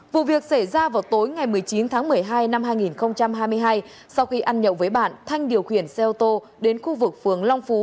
vụ việc xảy ra vào tối ngày một mươi chín tháng một mươi hai năm hai nghìn hai mươi hai sau khi ăn nhậu với bạn thanh điều khiển xe ô tô đến khu vực phường long phú